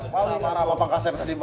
paling marah apa kasep tadi bandung nih